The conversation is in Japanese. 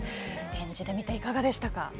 演じてみていかがでしたか？